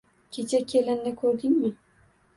Kecha kelinni koʻrdingmi